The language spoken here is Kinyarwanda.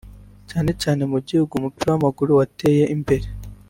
cyane cyane mu gihugu umupira w’amaguru wateye imbere